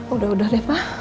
udah udah deh pak